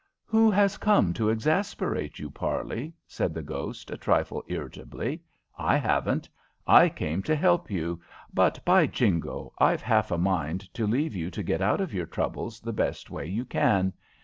"Who has come to exasperate you, Parley?" said the ghost, a trifle irritably. "I haven't. I came to help you, but, by Jingo! I've half a mind to leave you to get out of your troubles the best way you can.